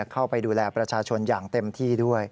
เข้าไปดูแลประชาชนอย่างเต็มที่ด้วย